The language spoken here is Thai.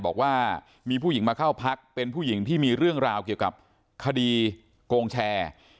บอกว่ามีผู้หญิงมาเข้าพักเป็นผู้หญิงที่มีเรื่องราวเกี่ยวกับคดีโกงแชร์